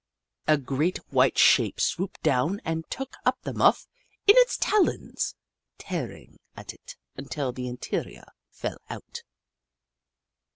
A great white shape swooped down and took up the muff in its talons, tearing at it until the interior fell out.